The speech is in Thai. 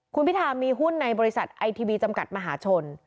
คุณพิธามีหุ้นในบริษัทไอทีวีจำกัดมหาชน